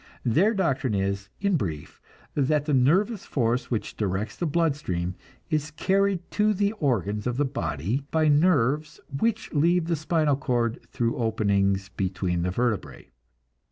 Their doctrine is, in brief, that the nervous force which directs the blood stream is carried to the organs of the body by nerves which leave the spinal cord through openings between the vertebrae.